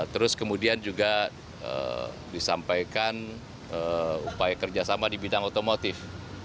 terus kemudian juga disampaikan upaya kerjasama di bidang otomotif